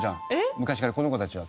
昔からこの子たちは。